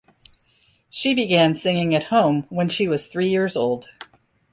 She began singing at home when she was three years old.